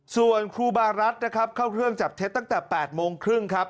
ส่วนครูบารัฐนะครับเข้าเครื่องจับเท็จตั้งแต่๘โมงครึ่งครับ